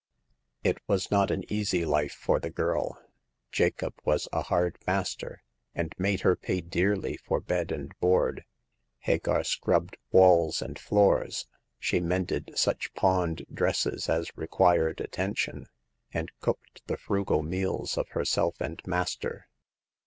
It was not an easy life for the girl. Jacob was a hard master, and made her pay dearly for bed and board. Hagar scrubbed walls and floors ; she mended such pawned dresses as required at tention ; and cooked the frugal meals of herself and master.